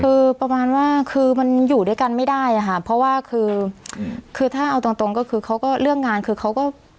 คือประมาณว่าคือมันอยู่ด้วยกันไม่ได้อะค่ะเพราะว่าคือคือถ้าเอาตรงตรงก็คือเขาก็เรื่องงานคือเขาก็